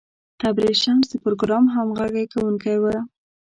تبریز شمس د پروګرام همغږی کوونکی و.